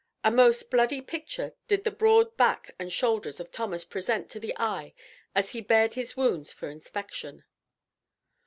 A most bloody picture did the broad back and shoulders of Thomas present to the eye as he bared his wounds for inspection.